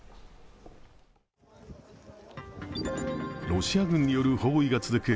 ロシア軍による包囲が続く